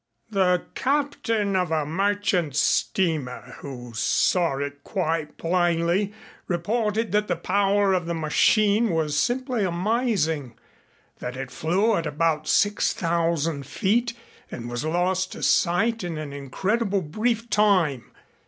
"The captain of a merchant steamer who saw it quite plainly reported that the power of the machine was simply amazing that it flew at about six thousand feet and was lost to sight in an incredibly brief time.